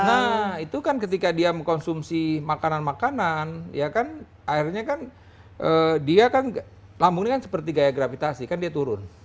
nah itu kan ketika dia mengkonsumsi makanan makanan ya kan akhirnya kan dia kan lambungnya kan seperti gaya gravitasi kan dia turun